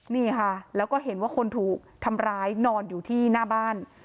นี่ค่ะแล้วก็เห็นว่าคนถูกทำร้ายนอนอยู่ที่หน้าบ้าน